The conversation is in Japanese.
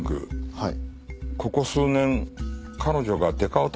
はい。